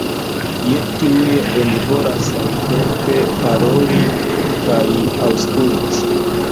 Je tiuj oni volas samtempe paroli kaj aŭskulti.